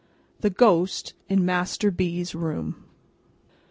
THE GHOST IN MASTER B.'S ROOM.